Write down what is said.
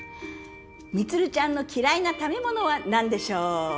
充ちゃんの嫌いな食べ物は何でしょう？